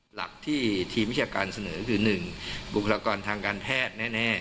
หลักที่ทีมวิชาการเสนอคือ๑บุคลากรทางการแพทย์แน่